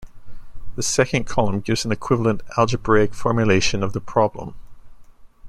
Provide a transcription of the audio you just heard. The second column gives an equivalent algebraic formulation of the problem.